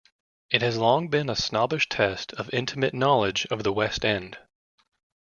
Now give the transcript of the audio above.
It has long been a snobbish test of intimate knowledge of the West End.